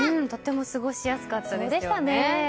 とても過ごしやすかったですよね。